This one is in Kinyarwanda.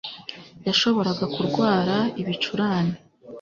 Yashoboraga kurwara ibicurane